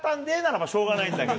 まあしょうがないんだけど。